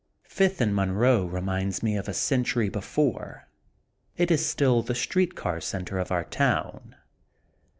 Fifth and Monroe re minds me of a century before. It is still the street car center of our town.